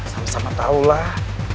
sama sama tau lah